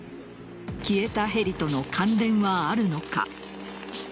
消えたヘリとの関連はあるのか。